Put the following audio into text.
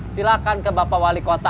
silahkan ke bapak wali kota